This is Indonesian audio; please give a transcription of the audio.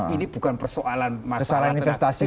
ini bukan persoalan investasi